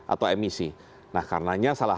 atau emisi nah karenanya salah